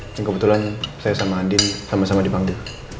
yang kebetulan saya sama andin sama sama di bangde